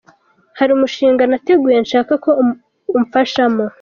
Hari umushinga nateguye nshaka ko umfashamo.